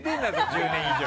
１０年以上。